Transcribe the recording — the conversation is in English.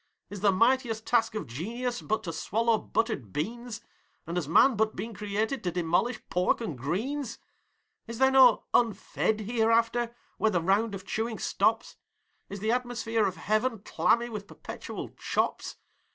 Is the mightiest task of genius but to swallow buttered beans, And has man but been created to demolish pork and greens? Is there no unfed Hereafter, where the round of chewing stops? Is the atmosphere of heaven clammy with perpetual chops?